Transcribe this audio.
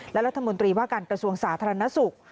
และรัฐมนตรีว่าการกระทรวงสาธารณสุข